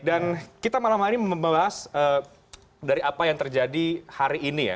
dan kita malam hari ini membahas dari apa yang terjadi hari ini ya